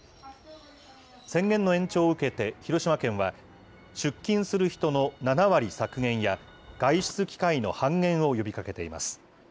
宣言の延長を受けて、広島県は、出勤する人の７割削減や、外出機会の半減を呼びかけています。